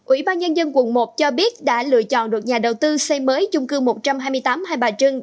ủy ban nhân dân quận một cho biết đã lựa chọn được nhà đầu tư xây mới chung cư một trăm hai mươi tám hai bà trưng